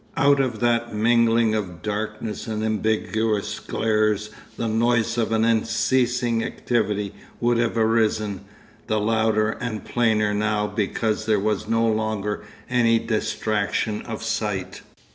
Out of that mingling of darkness and ambiguous glares the noise of an unceasing activity would have arisen, the louder and plainer now because there was no longer any distraction of sight.